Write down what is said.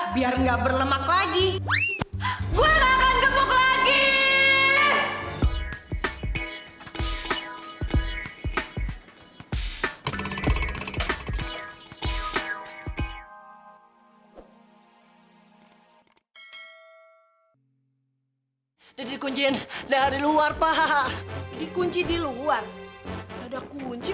biar gak berlemak lagi